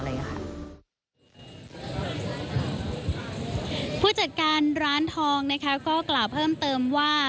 ผู้จัดการร้านทองนะคะก็กล่าวเพิ่มเติมว่า